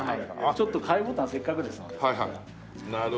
ちょっと貝ボタンせっかくですのでそしたら。